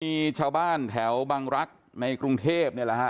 มีชาวบ้านแถวบังรักษ์ในกรุงเทพนี่แหละฮะ